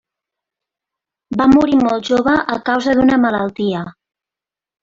Va morir molt jove a causa d'una malaltia.